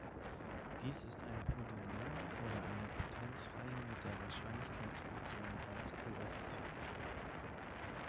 Dies ist ein Polynom oder eine Potenzreihe mit der Wahrscheinlichkeitsfunktion als Koeffizienten.